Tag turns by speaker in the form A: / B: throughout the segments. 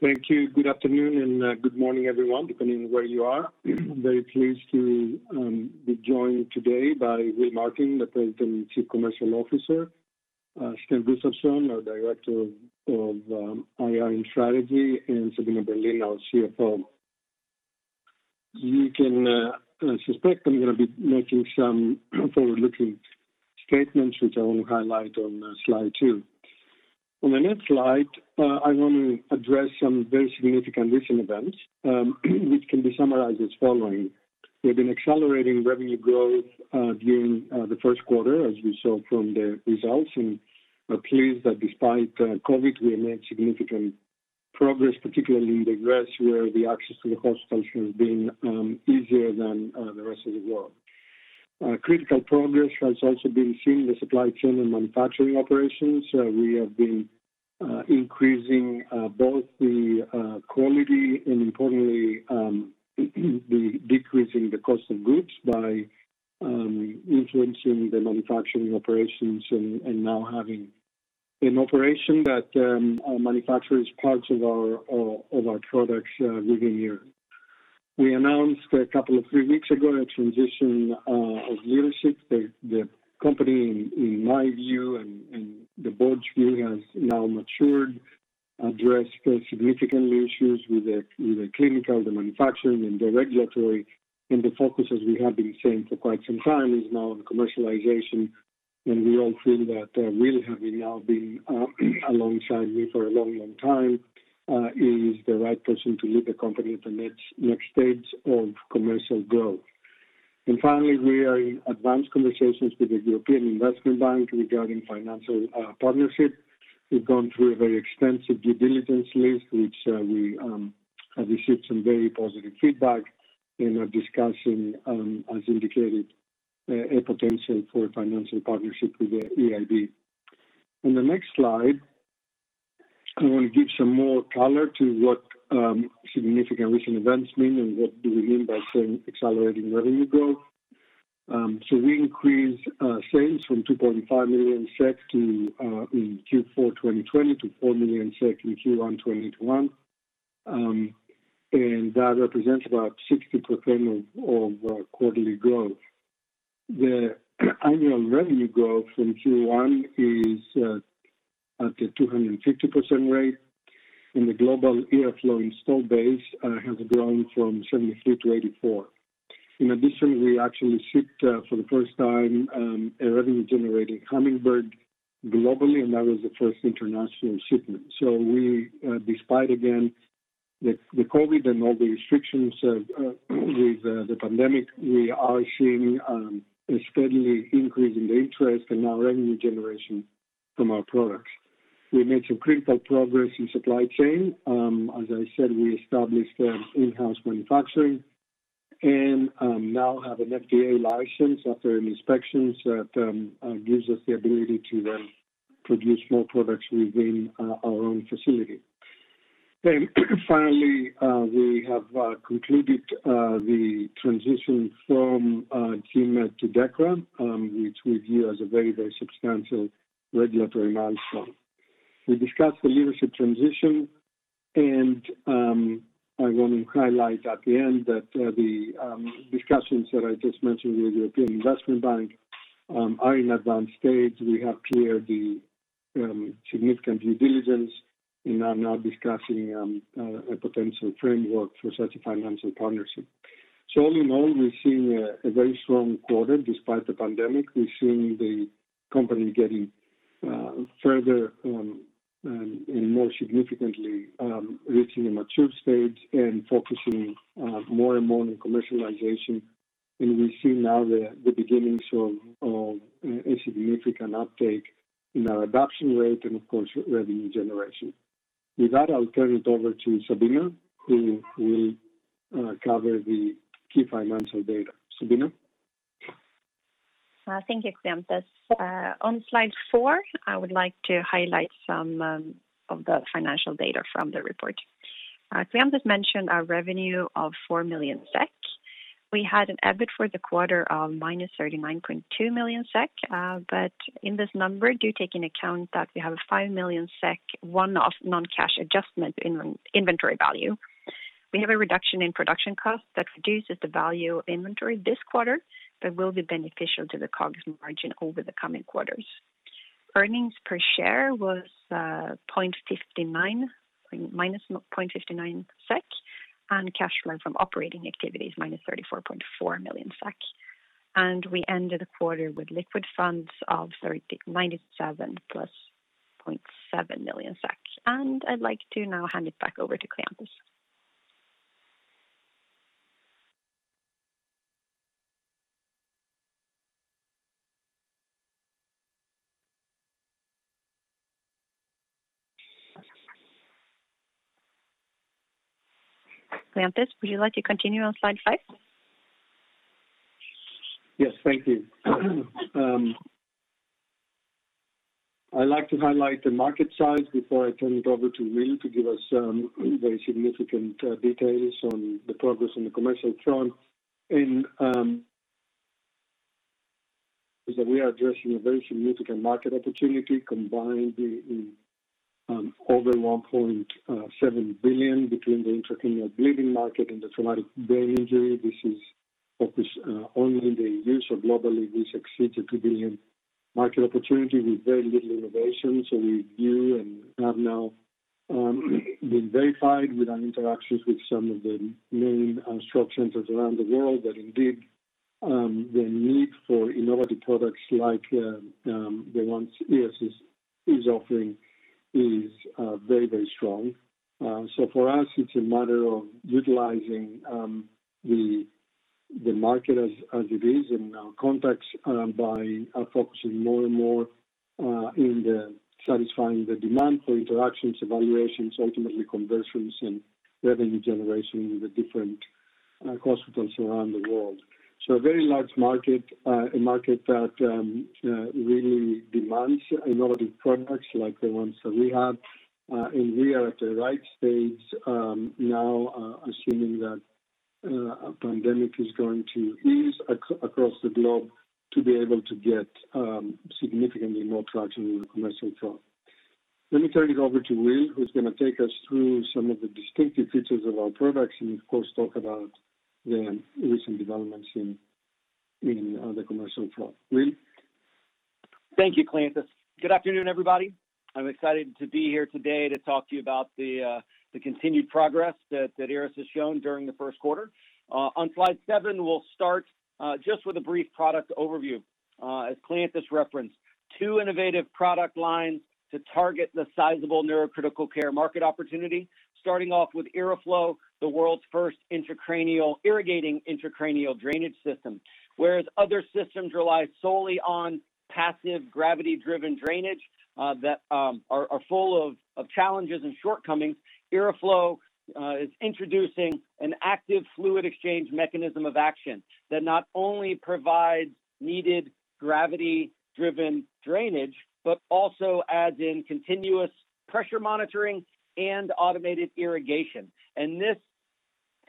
A: Thank you. Good afternoon and good morning, everyone, depending on where you are. Very pleased to be joined today by Will Martin, the President and Chief Commercial Officer, Sten Gustafsson, our Director of IR and Strategy, and Sabina Berlin, our CFO. You can suspect I'm going to be making some forward-looking statements which I will highlight on slide two. On the next slide, I want to address some very significant recent events which can be summarized as following. We've been accelerating revenue growth during the first quarter, as we saw from the results, and are pleased that despite COVID, we have made significant progress, particularly in the U.S., where the access to the hospitals has been easier than the rest of the world. Critical progress has also been seen in the supply chain and manufacturing operations. We have been increasing both the quality and importantly, decreasing the cost of goods by influencing the manufacturing operations and now having an operation that manufactures parts of our products within here. We announced a couple of three weeks ago, a transition of leadership. The company, in my view, and the board's view, has now matured, addressed significant issues with the clinical, the manufacturing, and the regulatory. The focus, as we have been saying for quite some time, is now on commercialization. We all feel that Will, having now been alongside me for a long, long time, is the right person to lead the company in the next stage of commercial growth. Finally, we are in advanced conversations with the European Investment Bank regarding financial partnership. We've gone through a very extensive due diligence list, which we have received some very positive feedback and are discussing, as indicated, a potential for financial partnership with the EIB. On the next slide, I want to give some more color to what significant recent events mean and what do we mean by saying accelerating revenue growth. We increased sales from 2.5 million SEK in Q4 2020 to 4 million SEK in Q1 2021, and that represents about 60% of quarterly growth. The annual revenue growth from Q1 is at a 250% rate, and the global IRRAflow installed base has grown from 73 to 84. In addition, we actually shipped for the first time a revenue-generating Hummingbird globally, and that was the first international shipment. Despite, again, the COVID and all the restrictions with the pandemic, we are seeing a steadily increase in the interest and now revenue generation from our products. We made some critical progress in supply chain. As I said, we established in-house manufacturing and now have an FDA license after inspections that gives us the ability to then produce more products within our own facility. Finally, we have concluded the transition from G-MED to Dekra, which we view as a very substantial regulatory milestone. We discussed the leadership transition, and I want to highlight at the end that the discussions that I just mentioned with the European Investment Bank are in advanced stage. We have cleared the significant due diligence and are now discussing a potential framework for such a financial partnership. All in all, we're seeing a very strong quarter despite the pandemic. We're seeing the company getting further and more significantly, reaching a mature stage and focusing more and more on commercialization. We see now the beginnings of a significant uptake in our adoption rate and of course, revenue generation. With that, I'll turn it over to Sabina, who will cover the key financial data. Sabina.
B: Thank you, Kleanthis. On slide four, I would like to highlight some of the financial data from the report. Kleanthis mentioned a revenue of 4 million SEK. We had an EBIT for the quarter of minus 39.2 million SEK. In this number, do take into account that we have a 5 million SEK one-off non-cash adjustment in inventory value. We have a reduction in production cost that reduces the value of inventory this quarter but will be beneficial to the COGS margin over the coming quarters. Earnings per share was minus 0.59 SEK, and cash flow from operating activities minus 34.4 million SEK. We ended the quarter with liquid funds of 397.7 million SEK. I'd like to now hand it back over to Kleanthis. Kleanthis, would you like to continue on slide five?
A: Yes. Thank you. I'd like to highlight the market size before I turn it over to Will to give us very significant details on the progress on the commercial front. Is that we are addressing a very significant market opportunity combined in over $1.7 billion between the intracranial bleeding market and the traumatic brain injury. This is, of course, only in the U.S. Globally, this exceeds a $2 billion market opportunity with very little innovation. We view and have now been verified with our interactions with some of the main stroke centers around the world that indeed, the need for innovative products like the ones IRRAS is offering is very, very strong. For us, it's a matter of utilizing the market as it is in our contacts by focusing more and more in the satisfying the demand for IRRAS, evaluations, ultimately conversions and revenue generation with the different hospitals around the world. A very large market. A market that really demands innovative products like the ones that we have. We are at the right stage now, assuming that a pandemic is going to ease across the globe, to be able to get significantly more traction in the commercial front. Let me turn it over to Will, who's going to take us through some of the distinctive features of our products and of course, talk about the recent developments in the commercial front. Will?
C: Thank you, Kleanthis. Good afternoon, everybody. I'm excited to be here today to talk to you about the continued progress that IRRAS has shown during the first quarter. On slide seven, we'll start just with a brief product overview. As Kleanthis referenced, two innovative product lines to target the sizable neurocritical care market opportunity, starting off with IRRAflow, the world's first irrigating intracranial drainage system. Whereas other systems rely solely on passive gravity-driven drainage that are full of challenges and shortcomings, IRRAflow is introducing an active fluid exchange mechanism of action that not only provides needed gravity-driven drainage, but also adds in continuous pressure monitoring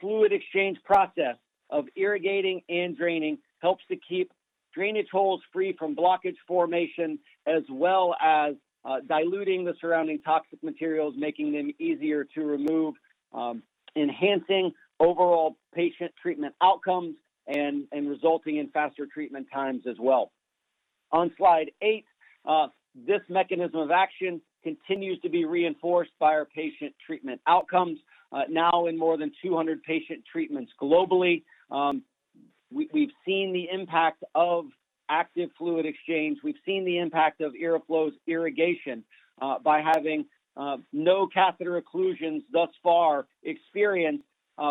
C: and automated irrigation. This fluid exchange process of irrigating and draining helps to keep drainage holes free from blockage formation, as well as diluting the surrounding toxic materials, making them easier to remove, enhancing overall patient treatment outcomes, and resulting in faster treatment times as well. On slide eight, this mechanism of action continues to be reinforced by our patient treatment outcomes. Now in more than 200 patient treatments globally, we've seen the impact of active fluid exchange. We've seen the impact of IRRAflow's irrigation by having no catheter occlusions thus far experienced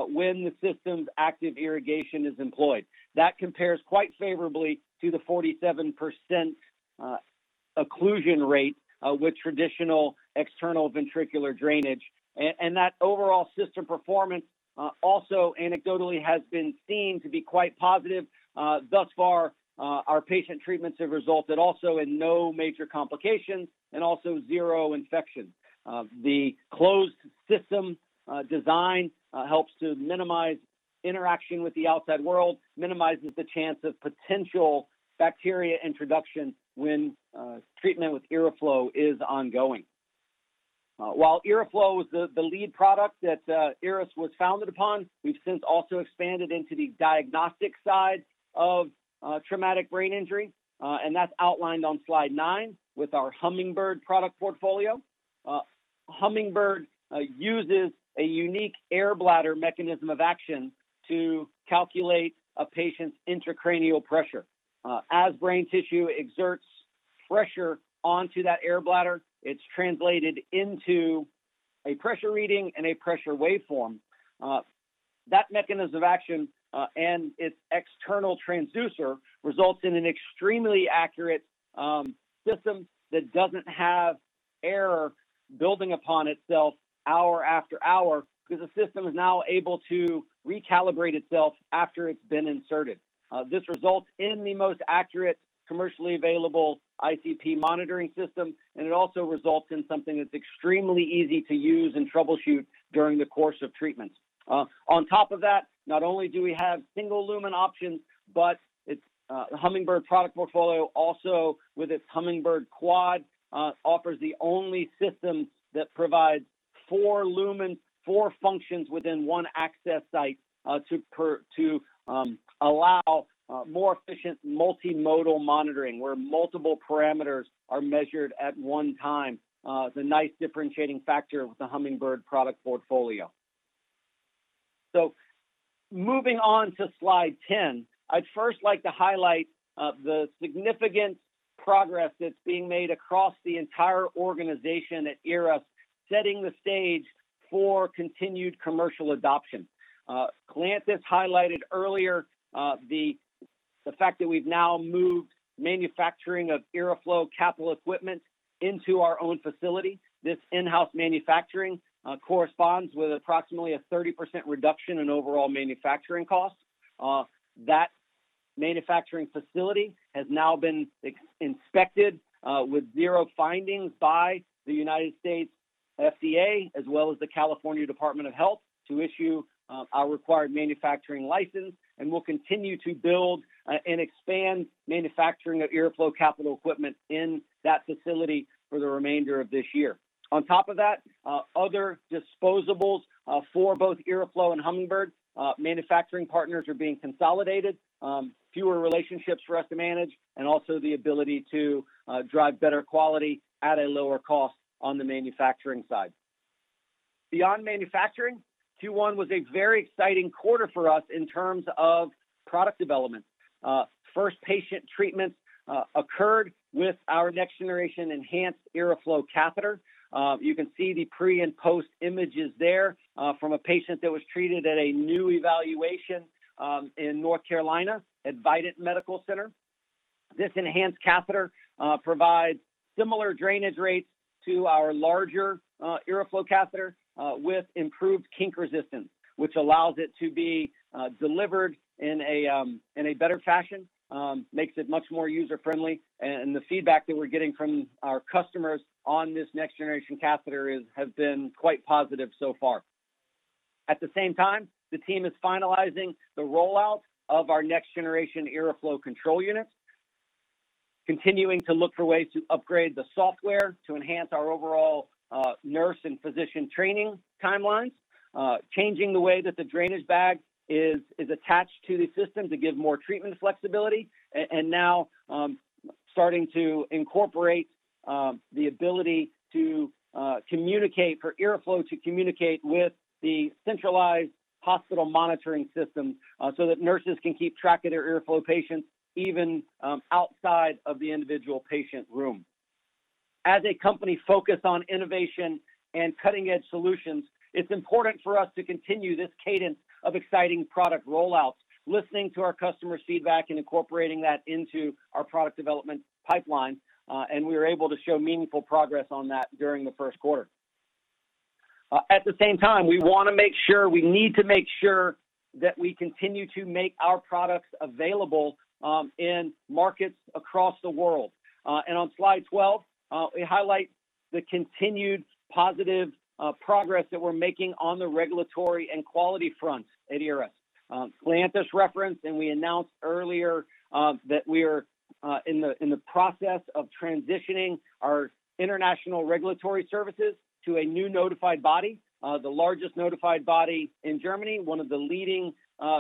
C: when the system's active irrigation is employed. That compares quite favorably to the 47% occlusion rate with traditional external ventricular drainage. That overall system performance also anecdotally has been seen to be quite positive. Thus far, our patient treatments have resulted also in no major complications and also zero infections. The closed system design helps to minimize interaction with the outside world, minimizes the chance of potential bacteria introduction when treatment with IRRAflow is ongoing. While IRRAflow is the lead product that IRRAS was founded upon, we've since also expanded into the diagnostic side of traumatic brain injury, and that's outlined on slide nine with our Hummingbird product portfolio. Hummingbird uses a unique air bladder mechanism of action to calculate a patient's intracranial pressure. As brain tissue exerts pressure onto that air bladder, it's translated into a pressure reading and a pressure waveform. That mechanism of action and its external transducer results in an extremely accurate system that doesn't have error building upon itself hour after hour, because the system is now able to recalibrate itself after it's been inserted. This results in the most accurate commercially available ICP monitoring system, and it also results in something that's extremely easy to use and troubleshoot during the course of treatment. Not only do we have single lumen options, but Hummingbird product portfolio also with its Hummingbird Quad, offers the only system that provides four lumen, four functions within one access site to allow more efficient multimodal monitoring, where multiple parameters are measured at one time. It's a nice differentiating factor with the Hummingbird product portfolio. Moving on to slide 10, I'd first like to highlight the significant progress that's being made across the entire organization at IRRAS, setting the stage for continued commercial adoption. Kleanthis highlighted earlier the fact that we've now moved manufacturing of IRRAflow capital equipment into our own facility. This in-house manufacturing corresponds with approximately a 30% reduction in overall manufacturing costs. That manufacturing facility has now been inspected with zero findings by the U.S. FDA, as well as the California Department of Public Health to issue our required manufacturing license, and we'll continue to build and expand manufacturing of IRRAflow capital equipment in that facility for the remainder of this year. On top of that, other disposables for both IRRAflow and Hummingbird manufacturing partners are being consolidated. Fewer relationships for us to manage, and also the ability to drive better quality at a lower cost on the manufacturing side. Beyond manufacturing, Q1 was a very exciting quarter for us in terms of product development. First patient treatment occurred with our next generation enhanced IRRAflow catheter. You can see the pre and post images there from a patient that was treated at a new evaluation in North Carolina at Vidant Medical Center. This enhanced catheter provides similar drainage rates to our larger IRRAflow catheter with improved kink resistance, which allows it to be delivered in a better fashion, makes it much more user-friendly, and the feedback that we're getting from our customers on this next generation catheter has been quite positive so far. At the same time, the team is finalizing the rollout of our next generation IRRAflow control unit, continuing to look for ways to upgrade the software to enhance our overall nurse and physician training timelines, changing the way that the drainage bag is attached to the system to give more treatment flexibility, and now starting to incorporate the ability for IRRAflow to communicate with the centralized hospital monitoring system so that nurses can keep track of their IRRAflow patients even outside of the individual patient room. As a company focused on innovation and cutting edge solutions, it's important for us to continue this cadence of exciting product rollouts, listening to our customer feedback, and incorporating that into our product development pipeline. We were able to show meaningful progress on that during the first quarter. At the same time, we need to make sure that we continue to make our products available in markets across the world. On slide 12, we highlight the continued positive progress that we're making on the regulatory and quality front at IRRAS. Kleanthis referenced, and we announced earlier that we are in the process of transitioning our international regulatory services to a new notified body, the largest notified body in Germany, one of the leading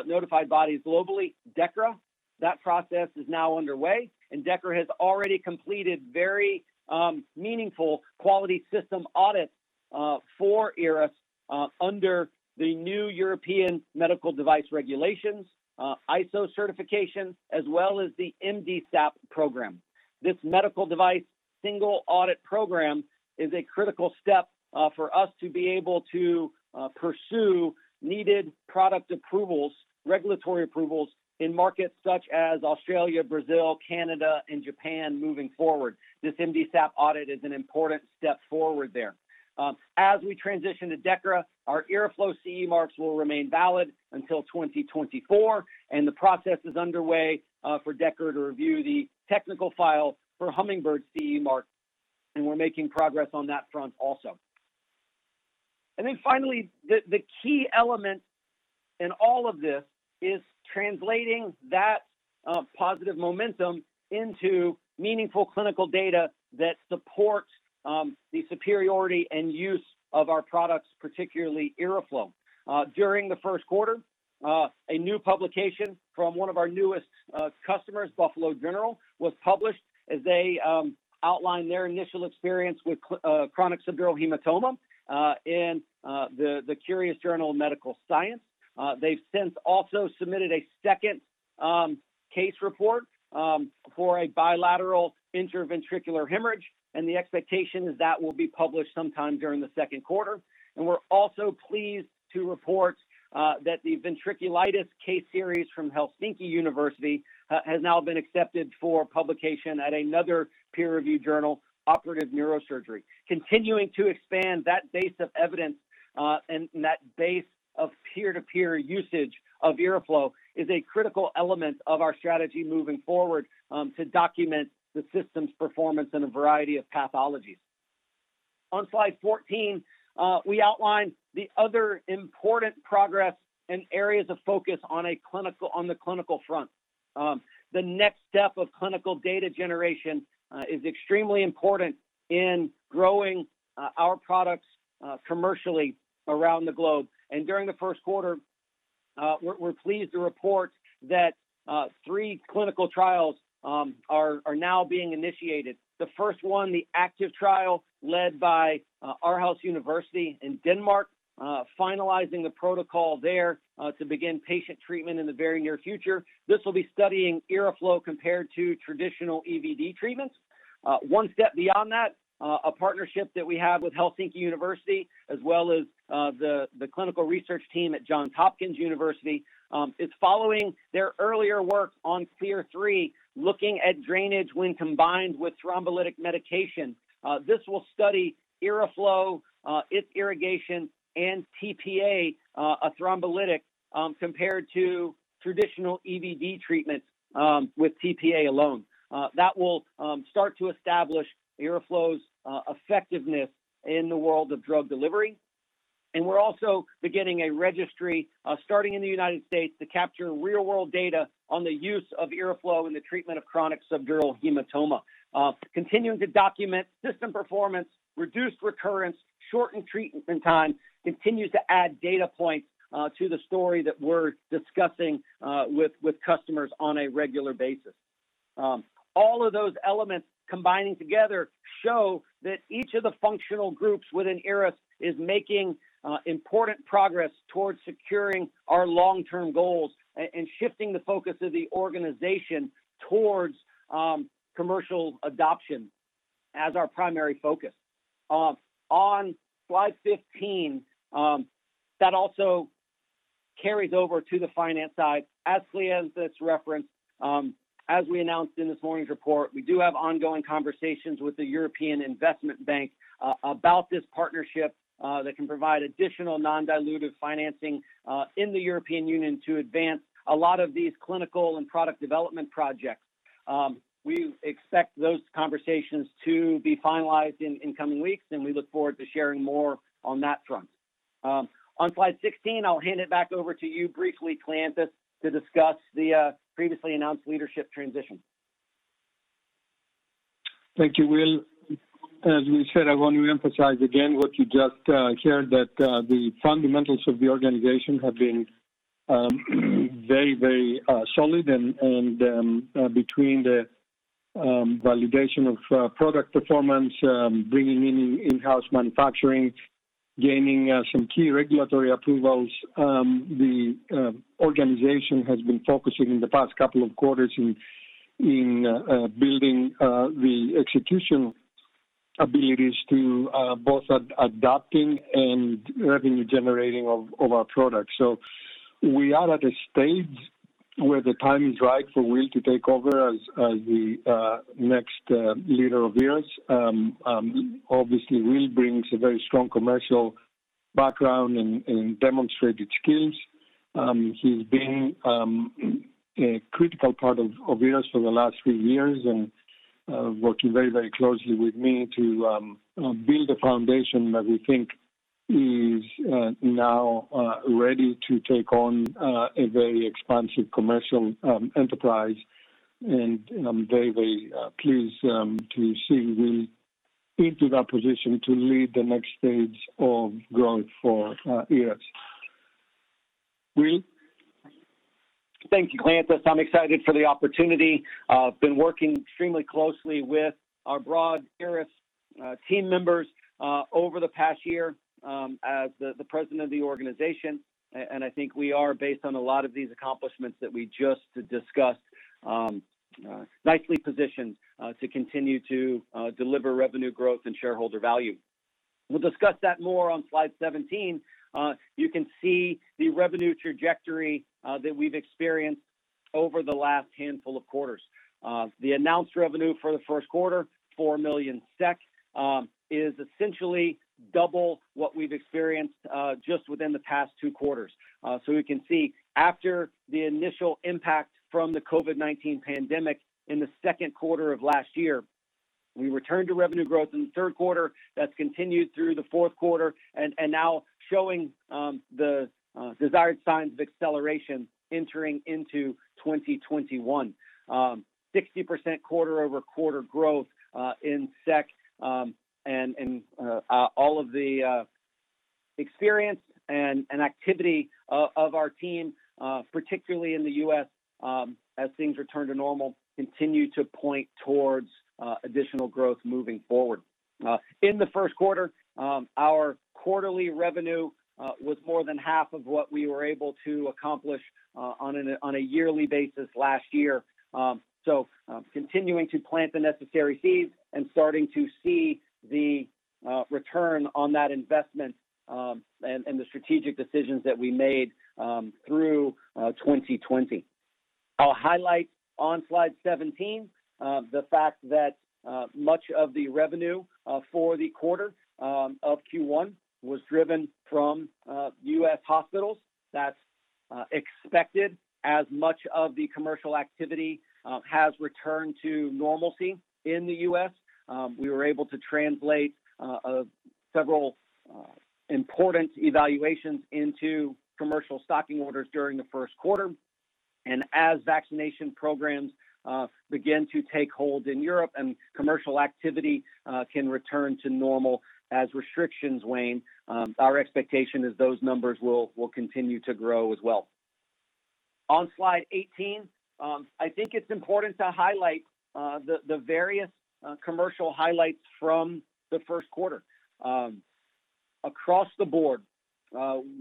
C: notified bodies globally, Dekra. That process is now underway. Dekra has already completed very meaningful quality system audits for IRRAS under the new European Medical Device Regulations, ISO certification, as well as the MDSAP program. This Medical Device Single Audit Program is a critical step for us to be able to pursue needed product approvals, regulatory approvals in markets such as Australia, Brazil, Canada, and Japan moving forward. This MDSAP audit is an important step forward there. As we transition to Dekra, our IRRAflow CE marks will remain valid until 2024. The process is underway for Dekra to review the technical file for Hummingbird's CE mark. We're making progress on that front also. Finally, the key element in all of this is translating that positive momentum into meaningful clinical data that supports the superiority and use of our products, particularly IRRAflow. During the first quarter, a new publication from one of our newest customers, Buffalo General, was published as they outlined their initial experience with chronic subdural hematoma in the Cureus Journal of Medical Science. They've since also submitted a second case report for a bilateral intraventricular hemorrhage, the expectation is that will be published sometime during the second quarter. We're also pleased to report that the ventriculitis case series from Helsinki University Hospital has now been accepted for publication at another peer review journal, Operative Neurosurgery. Continuing to expand that base of evidence and that base of peer-to-peer usage of IRRAflow is a critical element of our strategy moving forward to document the system's performance in a variety of pathologies. On slide 14, we outlined the other important progress and areas of focus on the clinical front. The next step of clinical data generation is extremely important in growing our products commercially around the globe. During the first quarter, we're pleased to report that three clinical trials are now being initiated. The first one, the ACTIVE trial led by Aarhus University in Denmark, finalizing the protocol there to begin patient treatment in the very near future. This will be studying IRRAflow compared to traditional EVD treatments. One step beyond that, a partnership that we have with Helsinki University, as well as the clinical research team at Johns Hopkins University is following their earlier work on CLEAR III, looking at drainage when combined with thrombolytic medication. This will study IRRAflow, its irrigation, and tPA, a thrombolytic, compared to traditional EVD treatments with tPA alone. That will start to establish IRRAflow's effectiveness in the world of drug delivery. We're also beginning a registry, starting in the United States, to capture real-world data on the use of IRRAflow in the treatment of chronic subdural hematoma. Continuing to document system performance, reduced recurrence, shortened treatment time, continues to add data points to the story that we're discussing with customers on a regular basis. All of those elements combining together show that each of the functional groups within IRRAS is making important progress towards securing our long-term goals and shifting the focus of the organization towards commercial adoption as our primary focus. On slide 15, that also carries over to the finance side. As Kleanthis has referenced, as we announced in this morning's report, we do have ongoing conversations with the European Investment Bank about this partnership that can provide additional non-dilutive financing in the European Union to advance a lot of these clinical and product development projects. We expect those conversations to be finalized in coming weeks, and we look forward to sharing more on that front. On slide 16, I'll hand it back over to you briefly, Kleanthis, to discuss the previously announced leadership transition.
A: Thank you, Will. As we said, I want to emphasize again what you just shared, that the fundamentals of the organization have been very solid and between the validation of product performance, bringing in in-house manufacturing, gaining some key regulatory approvals, the organization has been focusing in the past couple of quarters in building the execution abilities to both adopting and revenue generating of our products. We are at a stage where the time is right for Will to take over as the next leader of IRRAS. Obviously, Will brings a very strong commercial background and demonstrated skills. He's been a critical part of IRRAS for the last few years and working very closely with me to build a foundation that we think is now ready to take on a very expansive commercial enterprise. I'm very pleased to see Will into that position to lead the next stage of growth for IRRAS. Will?
C: Thank you, Kleanthis. I'm excited for the opportunity. I've been working extremely closely with our broad IRRAS team members over the past year as the president of the organization. I think we are, based on a lot of these accomplishments that we just discussed, nicely positioned to continue to deliver revenue growth and shareholder value. We'll discuss that more on slide 17. You can see the revenue trajectory that we've experienced over the last handful of quarters. The announced revenue for the first quarter, 4 million SEK, is essentially double what we've experienced just within the past two quarters. We can see after the initial impact from the COVID-19 pandemic in the second quarter of last year, we returned to revenue growth in the third quarter. That's continued through the fourth quarter, and now showing the desired signs of acceleration entering into 2021. 60% quarter-over-quarter growth in SEK and all of the experience and activity of our team, particularly in the U.S., as things return to normal, continue to point towards additional growth moving forward. In the first quarter, our quarterly revenue was more than half of what we were able to accomplish on a yearly basis last year. Continuing to plant the necessary seeds and starting to see the return on that investment and the strategic decisions that we made through 2020. I'll highlight on slide 17 the fact that much of the revenue for the quarter of Q1 was driven from U.S. hospitals. That's expected as much of the commercial activity has returned to normalcy in the U.S. We were able to translate several important evaluations into commercial stocking orders during the first quarter. As vaccination programs begin to take hold in Europe and commercial activity can return to normal as restrictions wane, our expectation is those numbers will continue to grow as well. On slide 18, I think it's important to highlight the various commercial highlights from the first quarter. Across the board,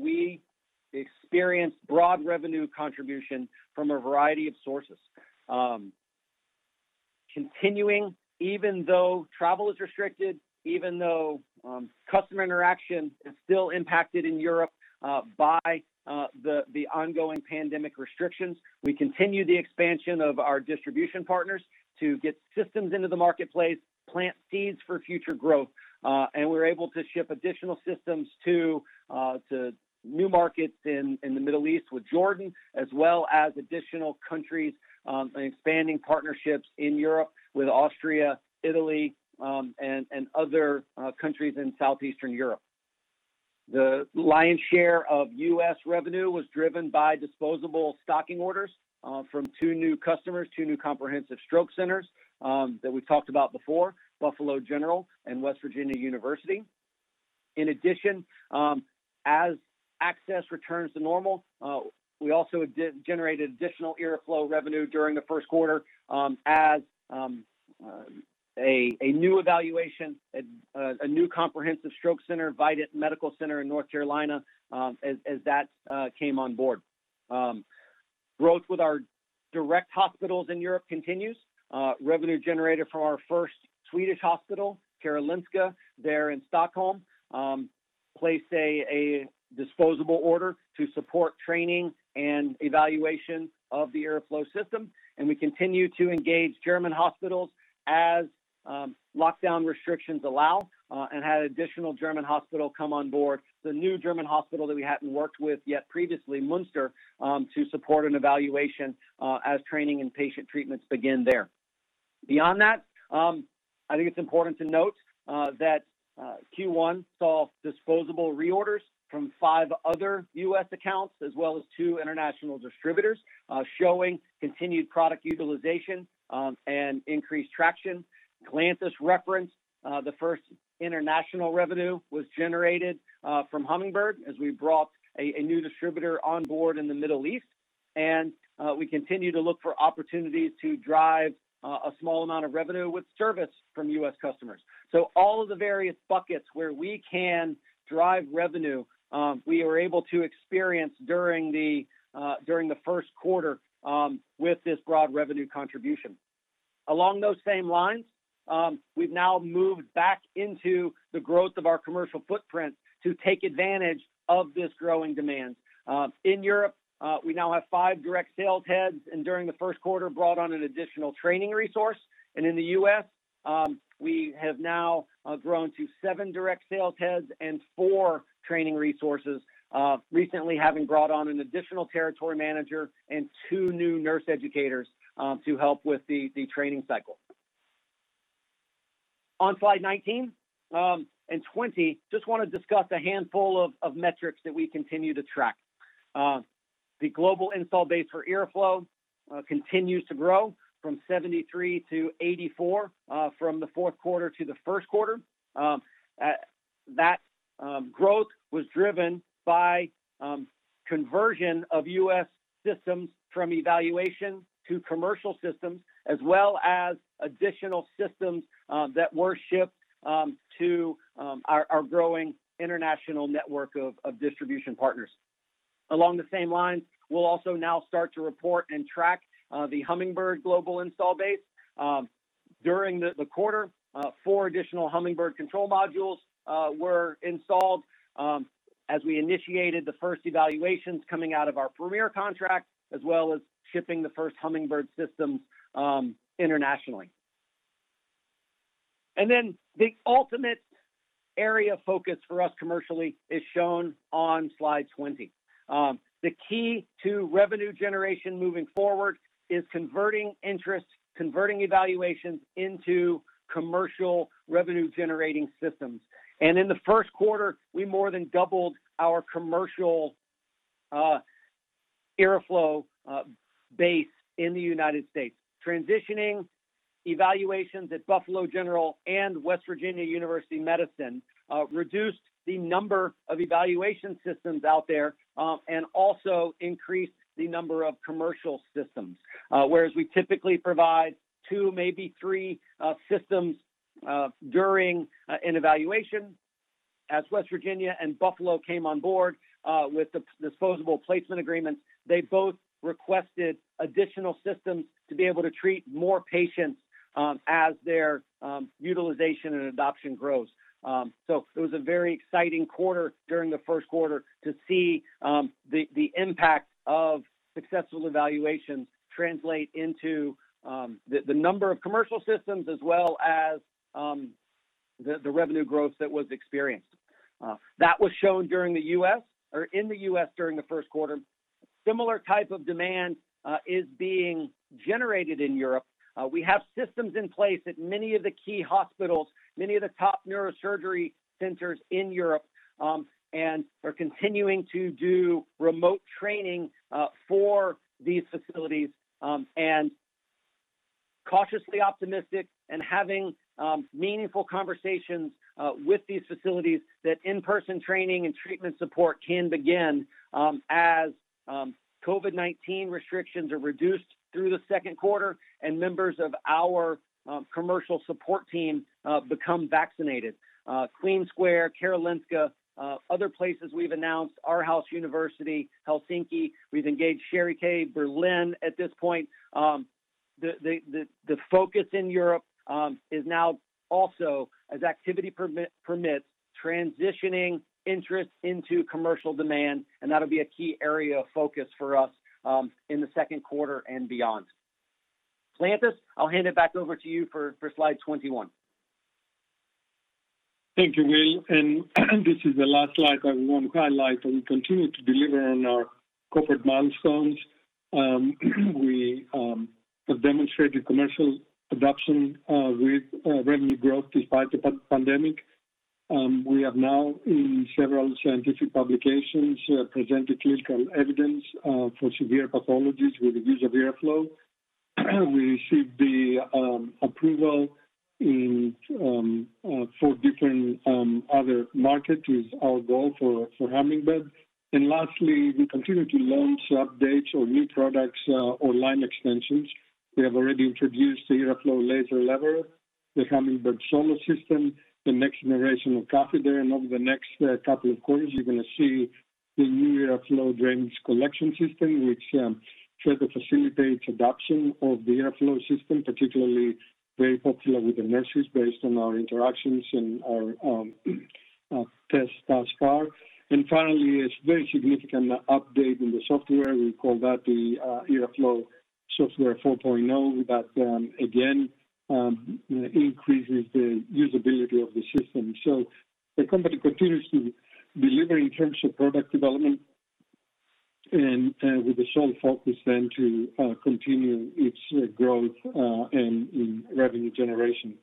C: we experienced broad revenue contribution from a variety of sources. Continuing even though travel is restricted, even though customer interaction is still impacted in Europe by the ongoing pandemic restrictions, we continue the expansion of our distribution partners to get systems into the marketplace, plant seeds for future growth. We're able to ship additional systems to new markets in the Middle East with Jordan, as well as additional countries and expanding partnerships in Europe with Austria, Italy, and other countries in Southeastern Europe. The lion's share of U.S. revenue was driven by disposable stocking orders from two new customers, two new comprehensive stroke centers that we've talked about before, Buffalo General and West Virginia University. In addition, as access returns to normal, we also generated additional IRRAflow revenue during the first quarter as a new evaluation at a new comprehensive stroke center, Vidant Medical Center in North Carolina, as that came on board. Growth with our direct hospitals in Europe continues. Revenue generated from our first Swedish hospital, Karolinska, there in Stockholm, placed a disposable order to support training and evaluation of the IRRAflow system. We continue to engage German hospitals as lockdown restrictions allow, and had additional German hospital come on board, the new German hospital that we hadn't worked with yet previously, Münster, to support an evaluation as training and patient treatments begin there. Beyond that, I think it's important to note that Q1 saw disposable reorders from five other U.S. accounts as well as two international distributors, showing continued product utilization and increased traction. Kleanthis referenced the first international revenue was generated from Hummingbird as we brought a new distributor on board in the Middle East. We continue to look for opportunities to drive a small amount of revenue with service from U.S. customers. All of the various buckets where we can drive revenue, we were able to experience during the first quarter with this broad revenue contribution. Along those same lines, we've now moved back into the growth of our commercial footprint to take advantage of this growing demand. In Europe, we now have five direct sales heads, during the first quarter, brought on an additional training resource. In the U.S., we have now grown to seven direct sales heads and four training resources, recently having brought on an additional territory manager and two new nurse educators to help with the training cycle. On slide 19 and 20, just want to discuss a handful of metrics that we continue to track. The global install base for IRRAflow continues to grow from 73-84 from the fourth quarter to the first quarter. That growth was driven by conversion of U.S. systems from evaluation to commercial systems, as well as additional systems that were shipped to our growing international network of distribution partners. Along the same lines, we will also now start to report and track the Hummingbird global install base. During the quarter, four additional Hummingbird control modules were installed as we initiated the first evaluations coming out of our Premier contract, as well as shipping the first Hummingbird systems internationally. The ultimate area of focus for us commercially is shown on slide 20. The key to revenue generation moving forward is converting interest, converting evaluations into commercial revenue-generating systems. In the first quarter, we more than doubled our commercial IRRAflow base in the U.S. Transitioning evaluations at Buffalo General and West Virginia University Medicine reduced the number of evaluation systems out there and also increased the number of commercial systems. Whereas we typically provide two, maybe three systems during an evaluation, as WVU Medicine and Buffalo General Medical Center came on board with the disposable placement agreements, they both requested additional systems to be able to treat more patients as their utilization and adoption grows. It was a very exciting quarter during the first quarter to see the impact of successful evaluations translate into the number of commercial systems as well as the revenue growth that was experienced. That was shown in the U.S. during the first quarter. Similar type of demand is being generated in Europe. We have systems in place at many of the key hospitals, many of the top neurosurgery centers in Europe, and are continuing to do remote training for these facilities and cautiously optimistic and having meaningful conversations with these facilities that in-person training and treatment support can begin as COVID-19 restrictions are reduced through the second quarter and members of our commercial support team become vaccinated. Queen Square, Karolinska, other places we've announced, Aarhus University, Helsinki. We've engaged Charité Berlin at this point. The focus in Europe is now also, as activity permits, transitioning interest into commercial demand, that'll be a key area of focus for us in the second quarter and beyond. Kleanthis, I'll hand it back over to you for slide 21.
A: Thank you, Will. This is the last slide I want to highlight. We continue to deliver on our corporate milestones. We have demonstrated commercial production with revenue growth despite the pandemic. We have now, in several scientific publications, presented clinical evidence for severe pathologies with the use of IRRAflow. We received the approval in four different other markets. It is our goal for Hummingbird. Lastly, we continue to launch updates or new products or line extensions. We have already introduced the IRRAflow Laser Leveler, the Hummingbird Solo system, the next generation of catheter, and over the next couple of quarters, you're going to see the new IRRAflow Drainage Collection System, which further facilitates adoption of the IRRAflow system, particularly very popular with the nurses based on our interactions and our tests thus far. Finally, a very significant update in the software. We call that the IRRAflow Software 4.0. Again, increases the usability of the system. The company continues to deliver in terms of product development and with the sole focus to continue its growth and in revenue generation.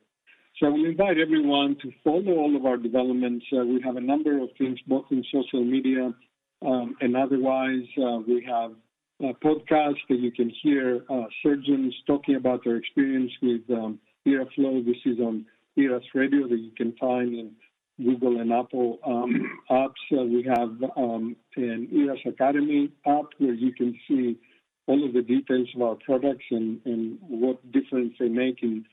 A: We invite everyone to follow all of our developments. We have a number of things both in social media and otherwise. We have a podcast that you can hear surgeons talking about their experience with IRRAflow. This is on IRRAS Radio that you can find in Google and Apple apps. We have an IRRAS Academy app where you can see all of the details of our products and what difference they make in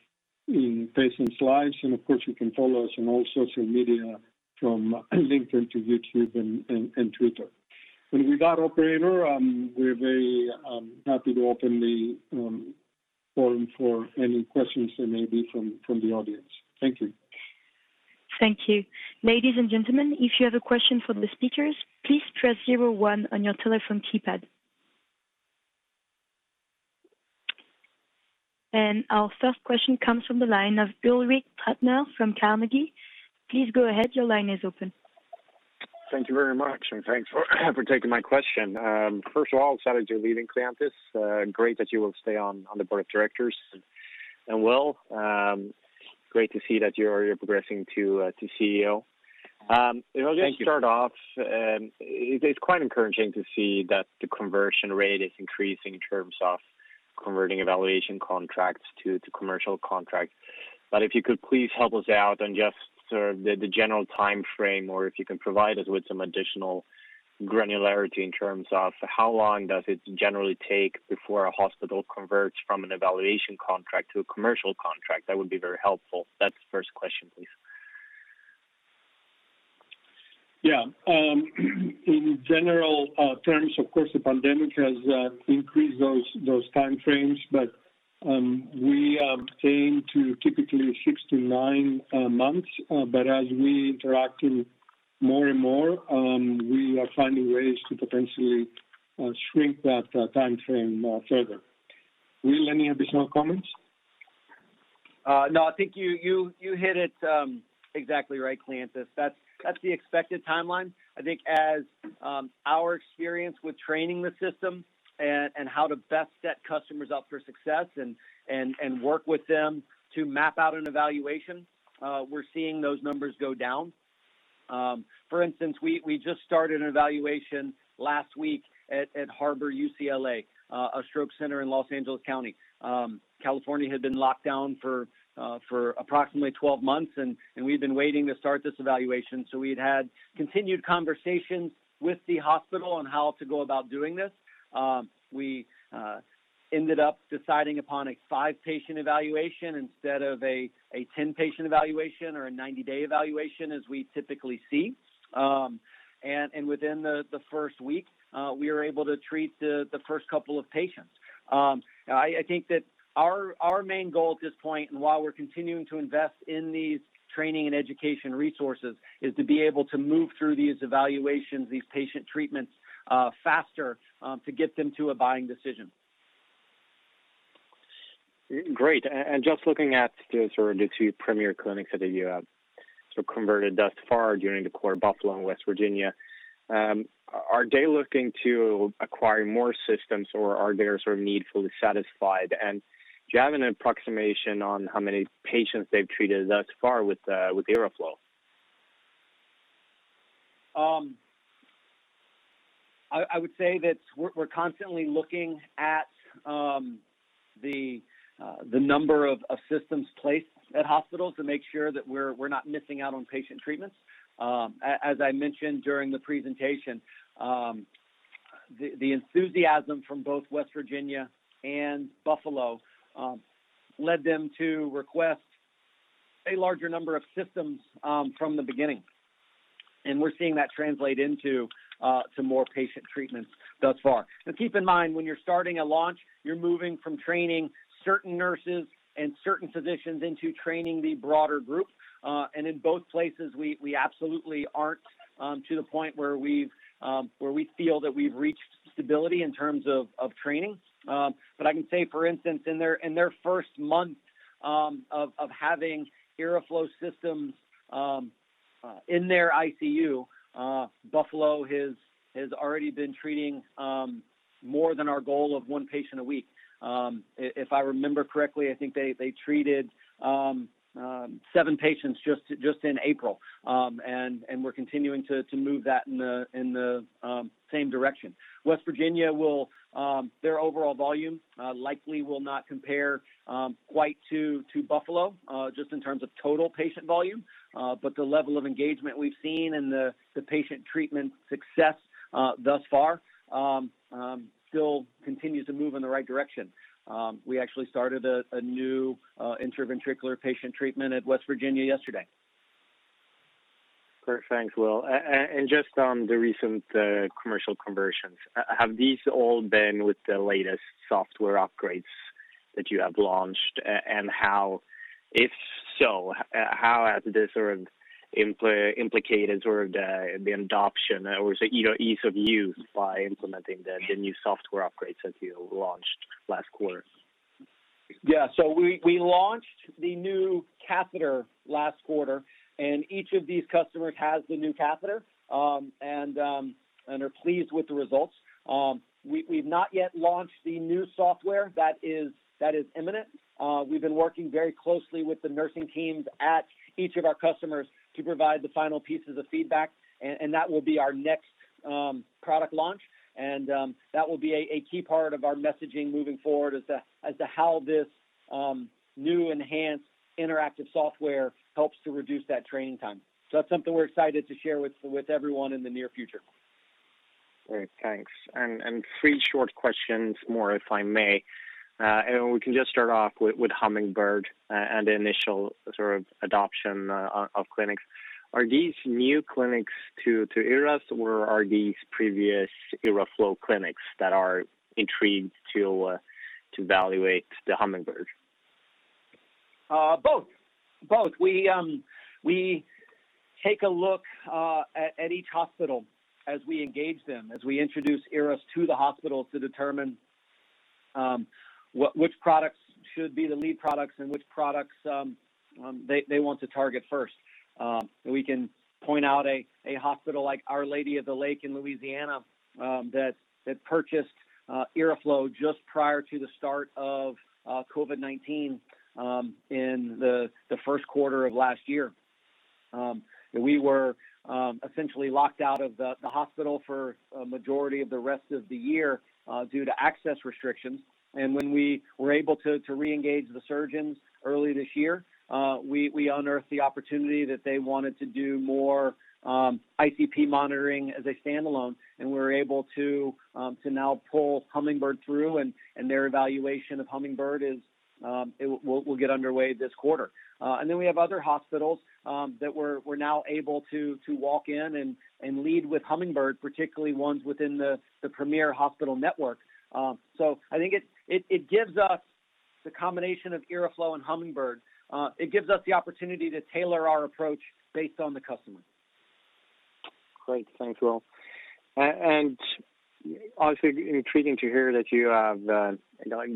A: patients' lives. Of course, you can follow us on all social media from LinkedIn to YouTube and Twitter. With that, operator, we're very happy to open the forum for any questions there may be from the audience. Thank you.
D: Thank you. Ladies and gentlemen, if you have a question for the speakers, please press zero one on your telephone keypad. Our first question comes from the line of Ulrik Trattner from Carnegie. Please go ahead. Your line is open.
E: Thank you very much, and thanks for taking my question. First of all, sad that you're leaving, Kleanthis. Great that you will stay on the board of directors. Will Martin, great to see that you're progressing to CEO.
A: Thank you.
E: I'll just start off, it's quite encouraging to see that the conversion rate is increasing in terms of converting evaluation contracts to commercial contracts. If you could please help us out on just sort of the general timeframe, or if you can provide us with some additional granularity in terms of how long does it generally take before a hospital converts from an evaluation contract to a commercial contract, that would be very helpful. That's the first question, please.
A: Yeah. In general terms, of course, the pandemic has increased those time frames, but we aim to typically six to nine months. As we interact more and more, we are finding ways to potentially shrink that timeframe further. Will, any additional comments?
C: I think you hit it exactly right, Kleanthis. That's the expected timeline. I think as our experience with training the system and how to best set customers up for success and work with them to map out an evaluation, we're seeing those numbers go down. For instance, we just started an evaluation last week at Harbor UCLA, a stroke center in Los Angeles County. California had been locked down for approximately 12 months. We've been waiting to start this evaluation. We'd had continued conversations with the hospital on how to go about doing this. We ended up deciding upon a five-patient evaluation instead of a 10-patient evaluation or a 90-day evaluation as we typically see. Within the first week, we were able to treat the first couple of patients. I think that our main goal at this point, and while we're continuing to invest in these training and education resources, is to be able to move through these evaluations, these patient treatments faster, to get them to a buying decision.
E: Great. Just looking at the sort of the two premier clinics that you have converted thus far during the quarter, Buffalo and West Virginia, are they looking to acquire more systems, or are their sort of needs fully satisfied? Do you have an approximation on how many patients they've treated thus far with IRRAflow?
C: I would say that we're constantly looking at the number of systems placed at hospitals to make sure that we're not missing out on patient treatments. As I mentioned during the presentation, the enthusiasm from both WVU Medicine and Buffalo General Medical Center led them to request a larger number of systems from the beginning, we're seeing that translate into more patient treatments thus far. Keep in mind, when you're starting a launch, you're moving from training certain nurses and certain physicians into training the broader group. In both places, we absolutely aren't to the point where we feel that we've reached stability in terms of training. I can say, for instance, in their first month of having IRRAflow systems in their ICU, Buffalo General Medical Center has already been treating more than our goal of one patient a week. If I remember correctly, I think they treated seven patients just in April. We're continuing to move that in the same direction. West Virginia, their overall volume likely will not compare quite to Buffalo, just in terms of total patient volume. The level of engagement we've seen and the patient treatment success thus far still continues to move in the right direction. We actually started a new intraventricular patient treatment at West Virginia yesterday.
E: Great. Thanks, Will. Just on the recent commercial conversions, have these all been with the latest software upgrades that you have launched? If so, how has this sort of implicated the adoption or ease of use by implementing the new software upgrades that you launched last quarter?
C: We launched the new catheter last quarter, and each of these customers has the new catheter and are pleased with the results. We've not yet launched the new software. That is imminent. We've been working very closely with the nursing teams at each of our customers to provide the final pieces of feedback, and that will be our next product launch. That will be a key part of our messaging moving forward as to how this new enhanced interactive software helps to reduce that training time. That's something we're excited to share with everyone in the near future.
E: Great. Thanks. Three short questions more, if I may. We can just start off with Hummingbird and the initial sort of adoption of clinics. Are these new clinics to IRRAS, or are these previous IRRAflow clinics that are intrigued to evaluate the Hummingbird?
C: Both. We take a look at each hospital as we engage them, as we introduce IRRAS to the hospital to determine which products should be the lead products and which products they want to target first. We can point out a hospital like Our Lady of the Lake in Louisiana that purchased IRRAflow just prior to the start of COVID-19 in the first quarter of last year. We were essentially locked out of the hospital for a majority of the rest of the year due to access restrictions. When we were able to reengage the surgeons early this year, we unearthed the opportunity that they wanted to do more ICP monitoring as a standalone, and we're able to now pull Hummingbird through, and their evaluation of Hummingbird will get underway this quarter. We have other hospitals that we're now able to walk in and lead with Hummingbird, particularly ones within the Premier hospital network. I think the combination of IRRAflow and Hummingbird gives us the opportunity to tailor our approach based on the customer.
E: Great. Thanks, Will. Obviously intriguing to hear that you have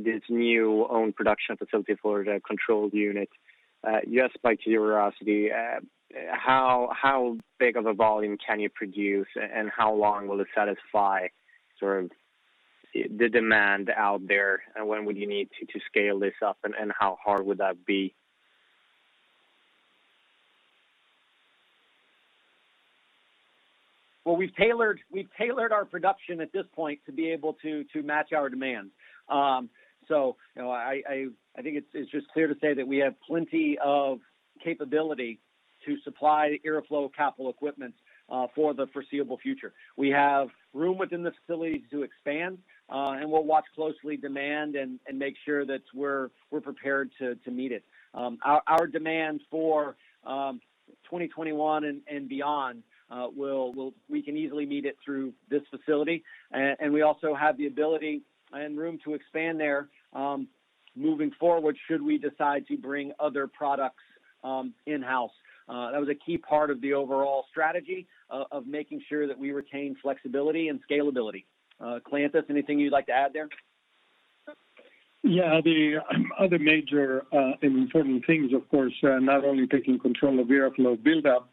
E: this new owned production facility for the controlled unit. Just out of curiosity, how big of a volume can you produce, and how long will it satisfy the demand out there, and when would you need to scale this up, and how hard would that be?
C: Well, we've tailored our production at this point to be able to match our demand. I think it's just fair to say that we have plenty of capability to supply IRRAflow capital equipment for the foreseeable future. We have room within the facility to expand, and we'll watch closely demand and make sure that we're prepared to meet it. Our demand for 2021 and beyond, we can easily meet it through this facility, and we also have the ability and room to expand there moving forward, should we decide to bring other products in-house. That was a key part of the overall strategy of making sure that we retain flexibility and scalability. Kleanthis, anything you'd like to add there?
A: Yeah. The other major and important things, of course, not only taking control of IRRAflow buildup,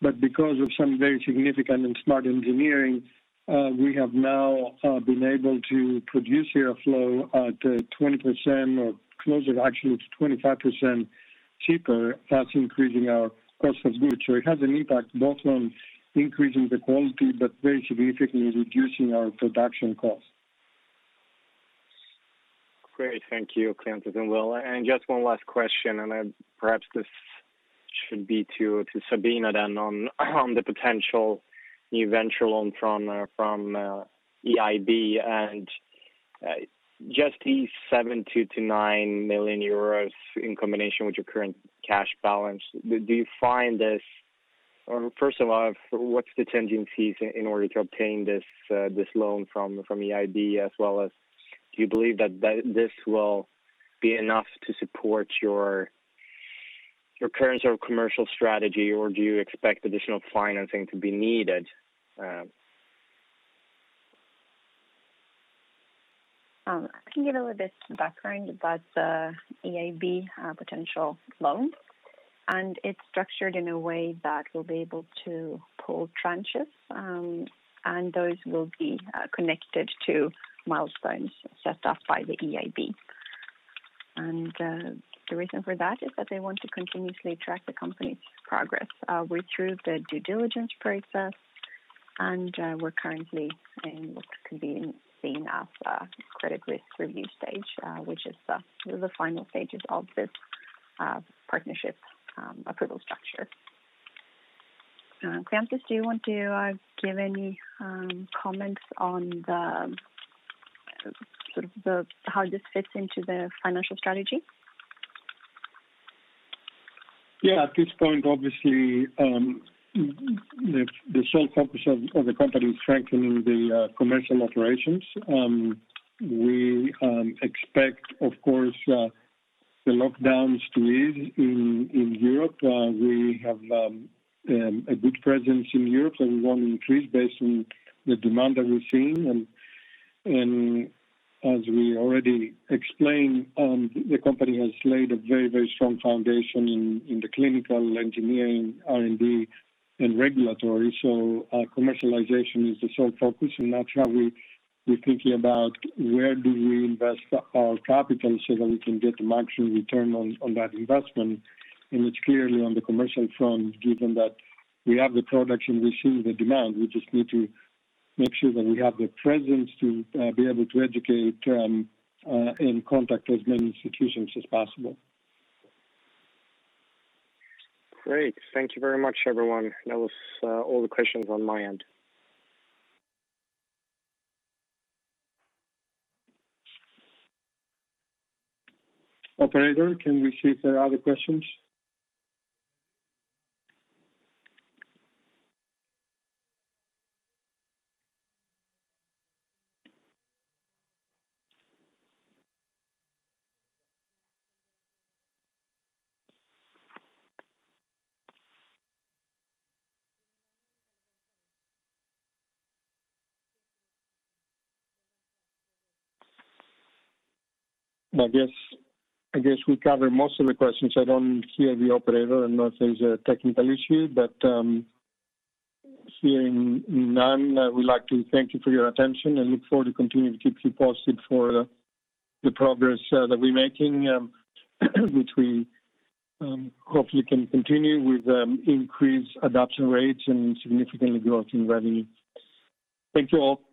A: but because of some very significant and smart engineering, we have now been able to produce IRRAflow at 20% or closer, actually, to 25% cheaper. That's decreasing our cost of goods. It has an impact both on increasing the quality, but very significantly reducing our production cost.
E: Great. Thank you, Kleanthis and Will. Just one last question, and perhaps this should be to Sabina then on the potential new venture loan from EIB and just the €7 to €9 million in combination with your current cash balance. First of all, what's the contingencies in order to obtain this loan from EIB, as well as do you believe that this will be enough to support your current commercial strategy, or do you expect additional financing to be needed?
B: I can give a little bit of background about the EIB potential loan. It's structured in a way that we'll be able to pull tranches, and those will be connected to milestones set up by the EIB. The reason for that is that they want to continuously track the company's progress. We're through the due diligence process, and we're currently in what could be seen as a credit risk review stage, which is the final stages of this partnership approval structure. Kleanthis, do you want to give any comments on how this fits into the financial strategy?
A: Yeah. At this point, obviously, the sole focus of the company is strengthening the commercial operations. We expect, of course, the lockdowns to ease in Europe. We have a good presence in Europe that we want to increase based on the demand that we're seeing. As we already explained, the company has laid a very strong foundation in the clinical engineering, R&D, and regulatory, so our commercialization is the sole focus, and that's how we're thinking about where do we invest our capital so that we can get the maximum return on that investment. It's clearly on the commercial front, given that we have the products and we see the demand. We just need to make sure that we have the presence to be able to educate and contact as many institutions as possible.
E: Great. Thank you very much, everyone. That was all the questions on my end.
A: Operator, can we see if there are other questions? I guess we covered most of the questions. I don't hear the operator, and there's a technical issue. Hearing none, we'd like to thank you for your attention and look forward to continuing to keep you posted for the progress that we're making, which we hopefully can continue with increased adoption rates and significantly growing revenue. Thank you all.